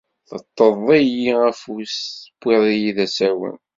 Teṭṭeḍ-iyi afus. Tewwiḍ-iyi d asawen.